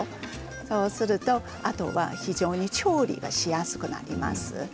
そうすると、あとは非常に調理がしやすくなります。